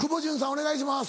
お願いします。